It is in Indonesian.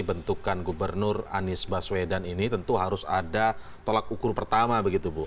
bentukan gubernur anies baswedan ini tentu harus ada tolak ukur pertama begitu bu